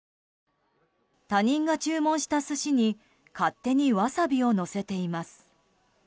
他人が注文した寿司に勝手にワサビをのせています。